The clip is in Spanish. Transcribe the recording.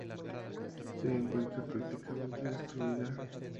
Se encuentra prácticamente destruida.